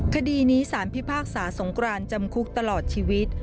คดีนี้สารพิพากษาสงกรานจำคุกตลอดชีวิต